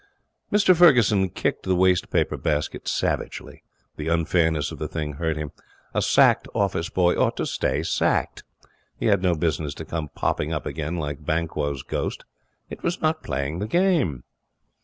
Mr Ferguson kicked the waste paper basket savagely. The unfairness of the thing hurt him. A sacked office boy ought to stay sacked. He had no business to come popping up again like Banquo's ghost. It was not playing the game.